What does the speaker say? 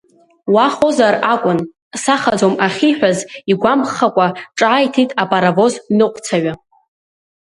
Уахозар акәын, сахаӡом ахьиҳәаз игәамԥхакәа ҿааиҭит апаровоз ныҟәцаҩы.